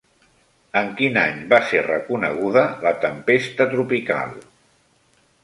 En quin any va ser reconeguda la tempesta tropical?